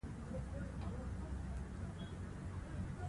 د مېلو پر مهال کوچنيان خپلي وړتیاوي ښکاره کوي.